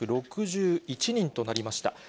８４６１人となりました。